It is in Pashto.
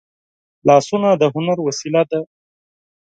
لاسونه د هنر وسیله ده